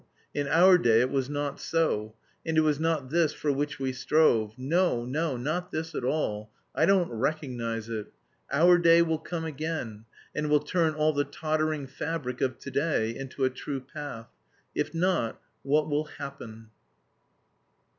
In our day it was not so, and it was not this for which we strove. No, no, not this at all. I don't recognise it.... Our day will come again and will turn all the tottering fabric of to day into a true path. If not, what will happen?..."